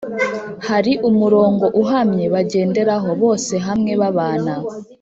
hari umurongo uhamye bagenderaho, bose hamwe babana